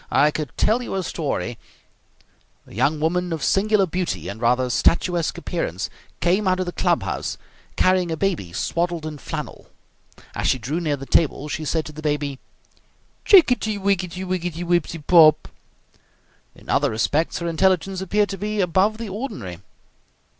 I could tell you a story " A young woman of singular beauty and rather statuesque appearance came out of the club house carrying a baby swaddled in flannel. As she drew near the table she said to the baby: "Chicketty wicketty wicketty wipsey pop!" In other respects her intelligence appeared to be above the ordinary.